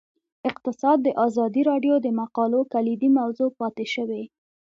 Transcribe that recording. اقتصاد د ازادي راډیو د مقالو کلیدي موضوع پاتې شوی.